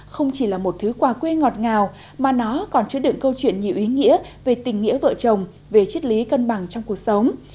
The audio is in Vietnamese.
không chỉ là một thứ quà quê ngọt ngào mà nó còn chứa đựng câu chuyện nhiều ý nghĩa về tình nghĩa vợ chồng về chiết lý cân bằng trong cuộc sống